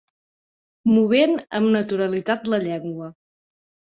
Movent amb naturalitat la llengua